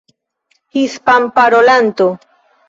hispanparolanto